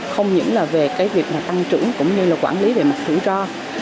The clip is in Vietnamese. không những về việc tăng trưởng cũng như quản lý về mặt thủy ro